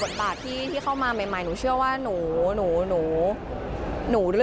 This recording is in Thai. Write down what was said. บทบาทที่เข้ามาใหม่หนูเชื่อว่าหนู